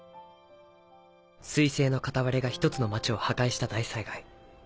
彗星の片割れが一つの町を破壊した大災害。